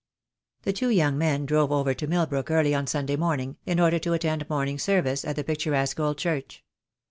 The two young men drove over to Milbrook early on Sunday morning, in order to attend morning service at the picturesque old church.